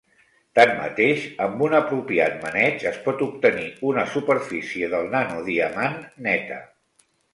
Tanmateix, amb un apropiat maneig es pot obtenir una superfície del nanodiamant neta.